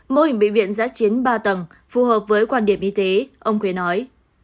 mô hình bệnh viện giá chiến ba tầng phù hợp với quan điểm y tế ông khuế nói